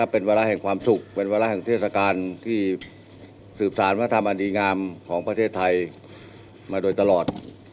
เป็นวาระแห่งความสุขเป็นวาระแห่งเทศกาลที่สืบสารวัฒนธรรมอันดีงามของประเทศไทยมาโดยตลอด